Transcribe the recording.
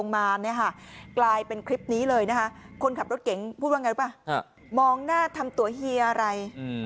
มองหน้าทำตัวเฮียอะไร